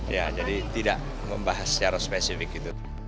ya jadi tidak membahas secara spesifik gitu